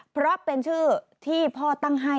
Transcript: เพราะเป็นชื่อที่พ่อตั้งให้